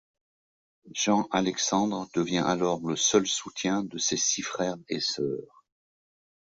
Jean-Alexandre devient alors le seul soutien de ses six frères et sœurs.